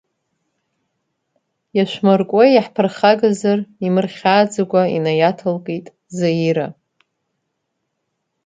Иашәмыркуеи иаҳԥырхагазар, имырхьааӡакәа инаиаҭалкит Заира.